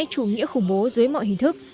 chủ nghĩa khủng bố dưới mọi hình thức